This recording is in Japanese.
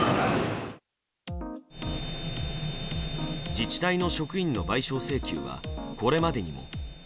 自治体の職員の賠償請求はこれまでにも。